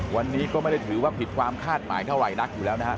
วันนี้ก็ไม่ได้ถือว่าผิดความคาดหมายเท่าไหร่นักอยู่แล้วนะครับ